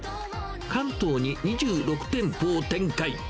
関東に２６店舗を展開。